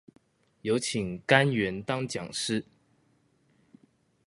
有請幹員當講師